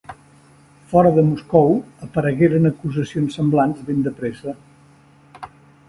Fora de Moscou, aparegueren acusacions semblants ben de pressa.